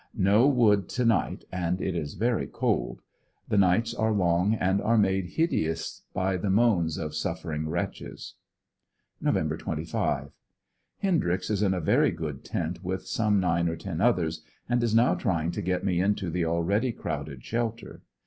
No wood to night and it is very cold. The nights are long and are made hid eous by the moans of sufferiui^ wretches. Nov 25. — Hendryx is in a very good tent with some nine or ten others and is now trying to get me mto the already crowded shel ter.